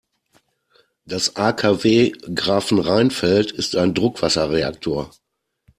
Das AKW Grafenrheinfeld ist ein Druckwasserreaktor.